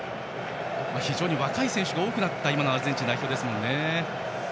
非常に若い選手が多くなった今のアルゼンチン代表ですもんね。